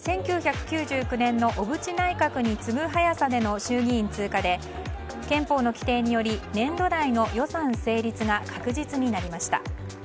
１９９９年の小渕内閣に次ぐ早さでの衆議院通過で憲法の規定により年度内の予算成立が確実になりました。